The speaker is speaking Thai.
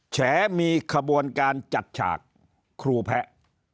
แฉมีขบวนการจัดฉากครูแพะ